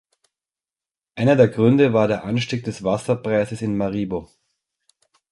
Einer der Gründe war der Anstieg des Wasserpreises in Maribo.